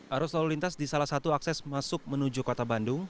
arus lalu lintas di salah satu akses masuk menuju kota bandung